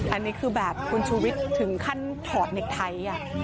อันนี้คือแบบคุณชูวิทย์ถึงขั้นถอดเน็กไทย